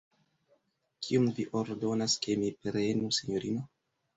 Kiom vi ordonas, ke mi prenu, sinjorino?